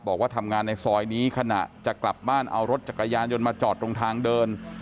บอกว่าทำงานในซอยนี้ขณะจะกลับบ้านเอารถจักรยานยนต์มาจอดตรงทางเดิน